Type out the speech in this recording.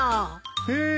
へえ。